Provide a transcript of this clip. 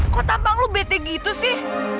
kok tampang lo bete gitu sih